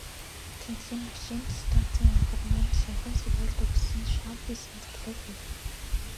Тэндхийн машинт станцын агрономич, саяхан сургууль төгссөн шавхийсэн залуу бий.